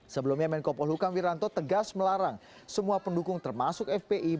sebelumnya menko polhukam wiranto tegas melarang semua pendukung termasuk fpi